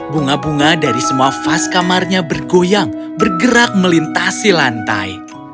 bunga bunga dari semua vas kamarnya bergoyang bergerak melintasi lantai